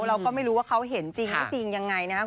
เราก็ไม่รู้ว่าเขาเห็นจริงไม่จริงยังไงนะครับ